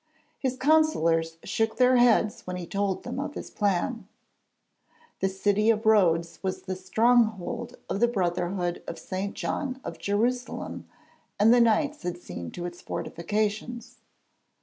His councillors shook their heads when he told them of his plan. The city of Rhodes was the stronghold of the Brotherhood of St. John of Jerusalem and the Knights had seen to its fortifications.